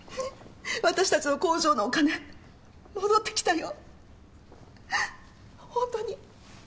私たちの工場のお金戻ってきたよ。